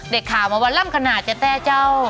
เด็กข่าวมาวัดล่ำขนาดเจ๊แต้เจ้า